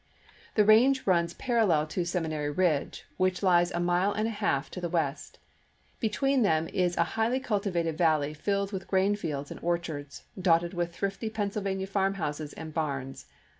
The range runs parallel to Seminary Ridge, which lies a mile and a half to the west ; between them is a highly cultivated valley filled with grain fields and orchards, dotted with thrifty Pennsylvanian farm houses and barns.